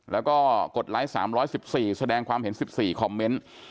แล้วก็กดไลค์๓๑๔แสดงความเห็น๑๔คอมเมนต์